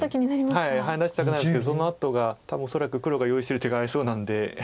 はいハネ出したくなるんですけどそのあとが多分恐らく黒が用意してる手がありそうなんで。